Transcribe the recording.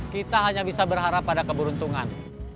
kita hanya bisa berharap pada keberuntungan